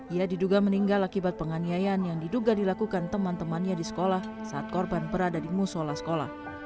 ia diduga meninggal akibat penganiayaan yang diduga dilakukan teman temannya di sekolah saat korban berada di musola sekolah